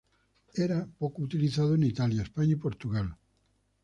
Eran poco utilizados en Italia, España y Portugal.